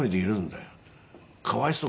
かわいそう。